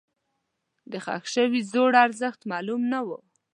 دښخ شوي زرو ارزښت معلوم نه و.